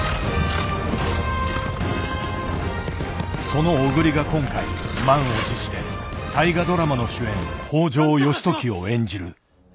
その小栗が今回満を持して大河ドラマの主演北条義時を演じる。